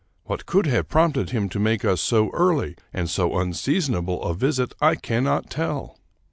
What could have prompted him to make us so early and so unseasonable a visit I cannot tell.